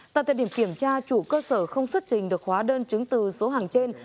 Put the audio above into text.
tại thời điểm kiểm tra chủ cơ sở không xuất trình được hóa đơn chứng từ số hàng trên